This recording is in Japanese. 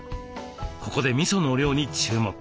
ここでみその量に注目。